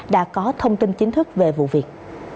đã có thông tin chính thức về vụ việc